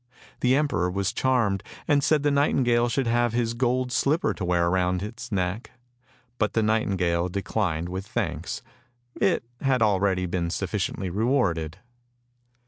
The emperor was charmed, and said the nightingale should have his gold slipper to wear round its neck. But the nightingale declined with thanks, it had already been sufficiently re warded.